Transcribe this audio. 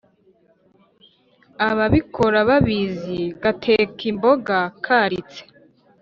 Akabikora kabizi gateka imboga karitse.